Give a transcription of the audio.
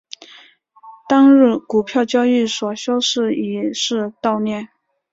当日股票交易所休市以示悼念。